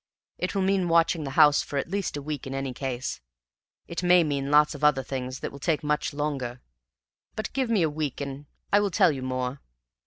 It will mean watching the house for at least a week in any case; it may mean lots of other things that will take much longer; but give me a week and I will tell you more.